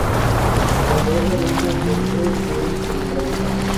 Cuando es adulto se cree que es solitario.